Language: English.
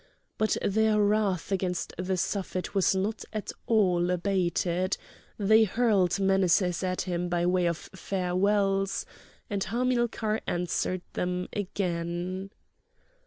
But their wrath against the Suffet was not at all abated; they hurled menaces at him by way of farewells, and Hamilcar answered them again.